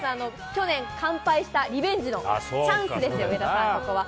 去年、完敗したリベンジのチャンスですよ、上田さん、ここは。